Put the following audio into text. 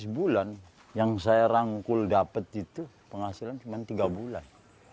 lima belas bulan yang saya rangkul dapat itu penghasilan cuma tiga bulan